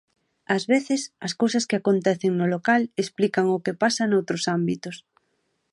Ás veces, as cousas que acontecen no local explican o que pasa noutros ámbitos.